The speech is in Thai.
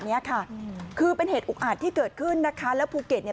เนี้ยค่ะคือเป็นเหตุอุกอาจที่เกิดขึ้นนะคะแล้วภูเก็ตเนี่ย